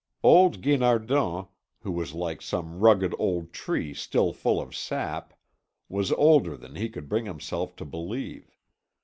Old Guinardon, who was like some rugged old tree still full of sap, was older than he could bring himself to believe.